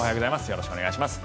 よろしくお願いします。